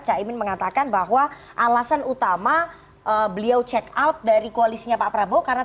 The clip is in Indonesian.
caimin mengatakan bahwa alasan utama beliau check out dari koalisinya pak prabowo karena